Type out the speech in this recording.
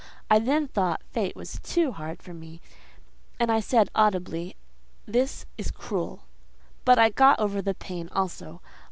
I then thought fate was too hard for me, and I said, audibly, "This is cruel." But I got over that pain also.